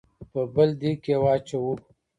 په بل دېګ کې واچوو.